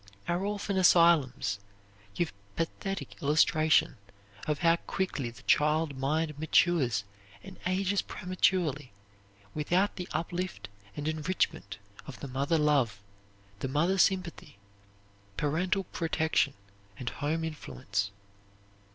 Our orphan asylums give pathetic illustration of how quickly the child mind matures and ages prematurely without the uplift and enrichment of the mother love, the mother sympathy, parental protection and home influence.